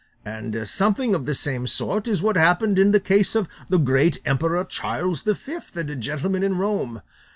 And something of the same sort is what happened in the case of the great emperor Charles V and a gentleman in Rome.